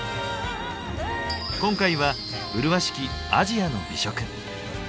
今回は麗しき「アジアの美食」。